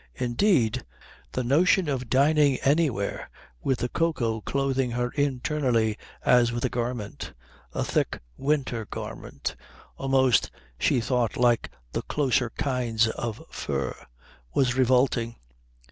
Indeed the notion of dining anywhere with the cocoa clothing her internally as with a garment a thick winter garment, almost she thought like the closer kinds of fur was revolting.